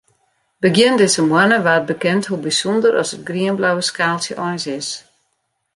Begjin dizze moanne waard bekend hoe bysûnder as it grienblauwe skaaltsje eins is.